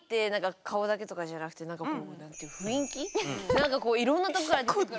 何かこういろんなとこから出てくる。